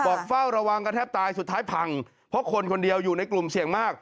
เฝ้าระวังกันแทบตายสุดท้ายพังเพราะคนคนเดียวอยู่ในกลุ่มเสี่ยงมาก